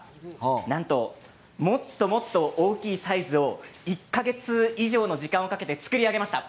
なんともっともっと大きいサイズを１か月以上の時間をかけて作り上げました。